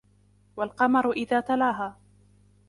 والقمر إذا تلاها